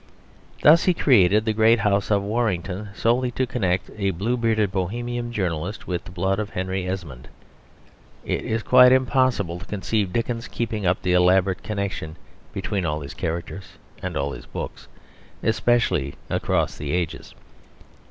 Thus he created the great house of Warrington solely to connect a "blue bearded" Bohemian journalist with the blood of Henry Esmond. It is quite impossible to conceive Dickens keeping up this elaborate connection between all his characters and all his books, especially across the ages.